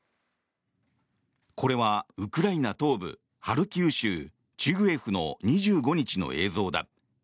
これはウクライナ東部ハルキウ州チュグエフの２５日の映像だ。